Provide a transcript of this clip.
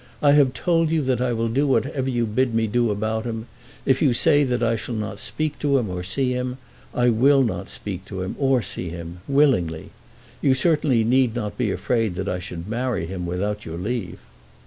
I have told you that I will do whatever you bid me about him. If you say that I shall not speak to him or see him, I will not speak to him or see him willingly. You certainly need not be afraid that I should marry him without your leave."